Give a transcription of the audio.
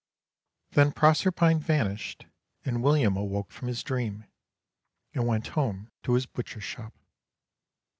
Then Proserpine vanished, and William awoke from his dream, and went home to his butcher's shop.